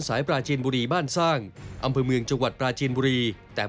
ปราจีนบุรีบ้านสร้างอำเภอเมืองจังหวัดปราจีนบุรีแต่